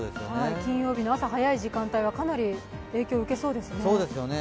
金曜日の朝早い時間帯はかなり影響を受けそうですよね。